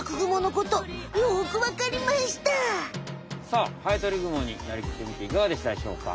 さあハエトリグモになりきってみていかがでしたでしょうか？